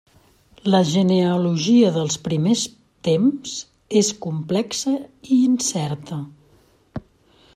La genealogia dels primers temps és complexa i incerta.